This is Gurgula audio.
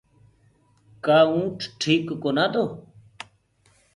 ڪآ اونٺ ٺيڪ ڪونآ تو